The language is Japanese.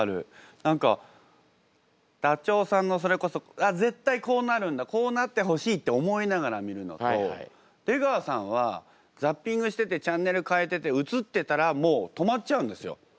何かダチョウさんのそれこそ絶対こうなるんだこうなってほしいって思いながら見るのと出川さんはザッピングしててチャンネル変えてて映ってたらもう止まっちゃうんですよ。